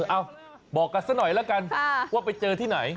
เอ้าบอกกันซะหน่อยแล้วกันว่าไปเจอที่ไหน